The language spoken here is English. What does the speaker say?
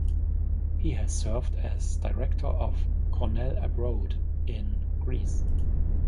He has served as director of Cornell Abroad in Greece.